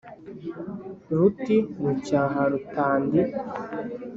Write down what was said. ruti rucyaha rutandi